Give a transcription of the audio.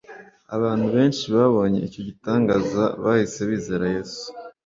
Abantu benshi babonye icyo gitangaza bahise bizera Yesu